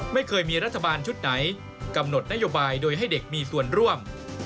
ไม่เคยมีรัฐบาลชุดไหนกำหนดนโยบายโดยให้เด็กมีส่วนร่วม